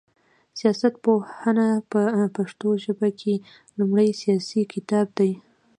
سياست پوهنه په پښتو ژبه کي لومړنی سياسي کتاب دی